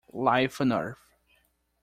Life on earth.